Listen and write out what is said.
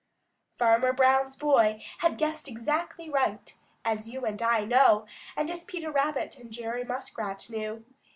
Farmer Brown's boy had guessed exactly right, as you and I know, and as Peter Rabbit and Jerry Muskrat knew.